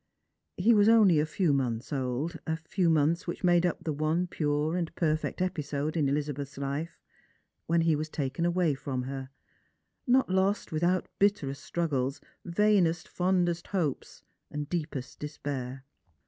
He was only a few months old — a few months which made up the one pure and perfect episode in Elizabeth's life — when he was taken away from her, not lost without bitterest struggles, vainest fondest hopes, deepest deapair.